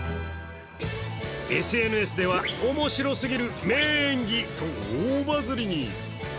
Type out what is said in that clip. ＳＮＳでは、面白すぎる名演技と大バズりに。